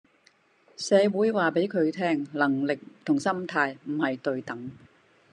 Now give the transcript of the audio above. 社會告訴他能力和心態不是對等